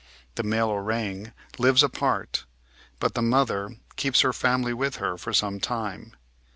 The male orang lives apart; but the mother keeps her family with her for some time.